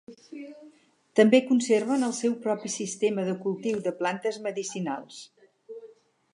També conserven el seu propi sistema de cultiu de plantes medicinals.